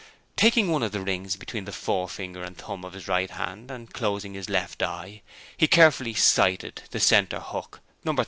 Taking one of the rings between the forefinger and thumb of his right hand, and closing his left eye, he carefully 'sighted' the centre hook, No.